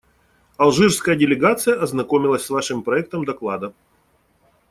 Алжирская делегация ознакомилась с Вашим проектом доклада.